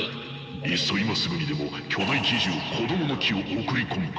いっそ今すぐにでも巨大奇獣「こどもの樹」を送り込むか。